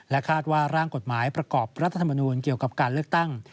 คาดว่าร่างกฎหมายประกอบรัฐธรรมนูลเกี่ยวกับการเลือกตั้ง